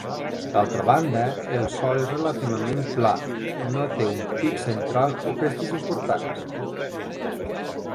D'altra banda, el sòl és relativament pla i no té un pic central o crestes importants.